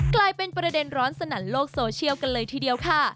กลายเป็นประเด็นร้อนสนั่นโลกโซเชียลกันเลยทีเดียวค่ะ